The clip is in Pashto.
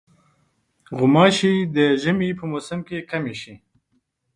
غوماشې د ژمي په موسم کې کمې شي.